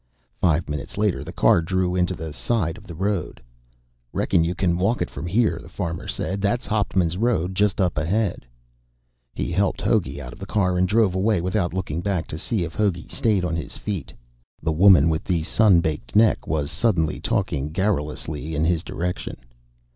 Five minutes later the car drew in to the side of the road. "Reckon you can walk it from here," the farmer said. "That's Hauptman's road just up ahead." He helped Hogey out of the car and drove away without looking back to see if Hogey stayed on his feet. The woman with the sun baked neck was suddenly talking garrulously in his direction.